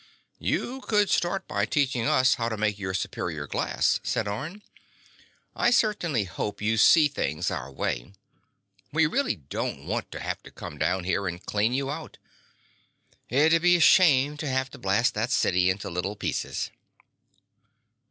"You could start by teaching us how you make superior glass," said Orne. "I certainly hope you see things our way. We really don't want to have to come down there and clean you out. It'd be a shame to have to blast that city into little pieces."